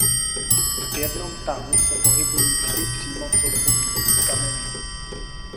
V jednom tahu se pohybují vždy přímo sousedící kameny.